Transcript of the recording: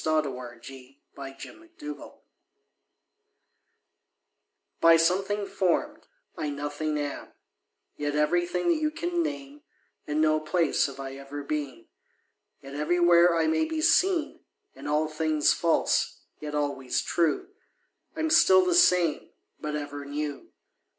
ON A SHADOW IN A GLASS; By something form'd, I nothing am, Yet everything that you can name; In no place have I ever been, Yet everywhere I may be seen; In all things false, yet always true, I'm still the same but ever new.